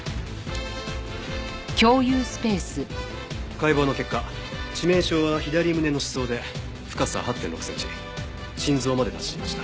解剖の結果致命傷は左胸の刺創で深さ８．６センチ心臓まで達していました。